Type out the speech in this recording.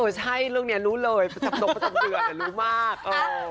ใช่เรื่องนี้รู้เลยประจำนกประจำเดือนรู้มาก